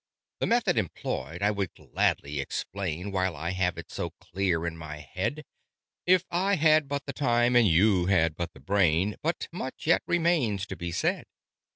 "The method employed I would gladly explain, While I have it so clear in my head, If I had but the time and you had but the brain But much yet remains to be said.